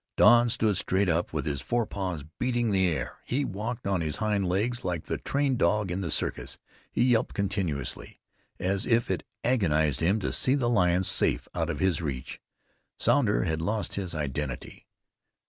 Don stood straight up, with his forepaws beating the air; he walked on his hind legs like the trained dog in the circus; he yelped continuously, as if it agonized him to see the lion safe out of his reach. Sounder had lost his identity.